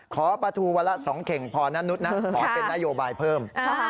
ขอปฐูวรรษสองเข่งพอนะนุษย์นะขอเป็นนโยบายเพิ่ม